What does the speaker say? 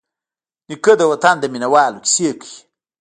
نیکه د وطن د مینوالو کیسې کوي.